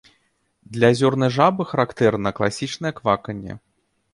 Для азёрнай жабы характэрна класічнае кваканне.